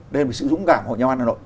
đây là một sự dũng cảm hội nhau ăn ở nội